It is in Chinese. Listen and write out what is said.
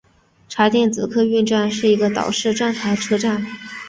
茶店子客运站是一个岛式站台车站。